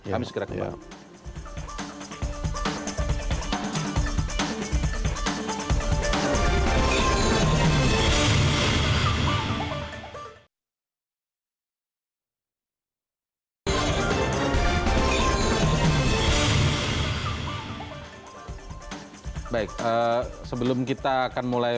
kami segera kembali